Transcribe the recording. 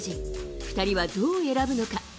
２人はどう選ぶのか。